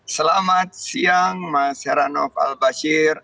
selamat siang mas heranov al bashir